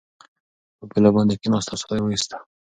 په پوله باندې کېناست او ساه یې واخیسته.